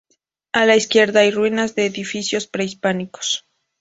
A la izquierda hay ruinas de edificios prehispánicos.